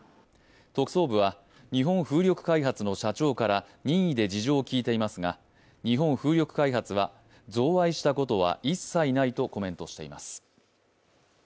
特捜部は日本風力開発の社長から任意で事情を聴いていますが日本風力開発は贈賄したことは一切ないとコメントしています。